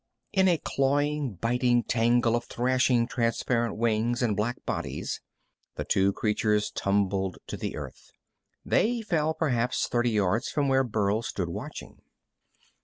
In a clawing, biting tangle of thrashing, transparent wings and black bodies, the two creatures tumbled to the earth. They fell perhaps thirty yards from where Burl stood watching.